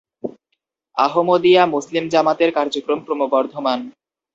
আহমদীয়া মুসলিম জামাতের কার্যক্রম ক্রমবর্ধমান।